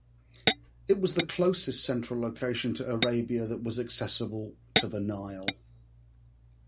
It was the closest central location to Arabia that was accessible to the Nile.